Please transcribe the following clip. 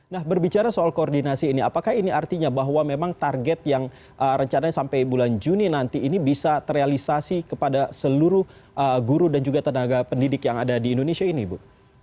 nah berbicara soal koordinasi ini apakah ini artinya bahwa memang target yang rencananya sampai bulan juni nanti ini bisa terrealisasi kepada seluruh guru dan juga tenaga pendidik yang ada di indonesia ini bu